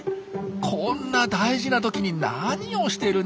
こんな大事な時に何をしているんですかねえ？